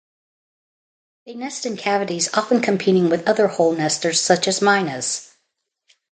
They nest in cavities often competing with other hole-nesters such as mynas.